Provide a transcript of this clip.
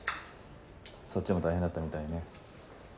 そっちも大変だったみたいね。